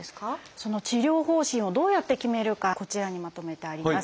その治療方針をどうやって決めるかこちらにまとめてあります。